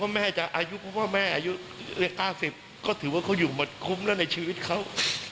แม่จะอายุเพราะว่าแม่อายุ๙๐ก็ถือว่าเขาอยู่มาคุ้มแล้วในชีวิตเขา